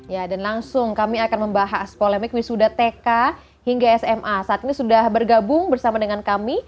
ya dan langsung kami akan membahas polemik wisuda tk hingga sma saat ini sudah bergabung bersama dengan kami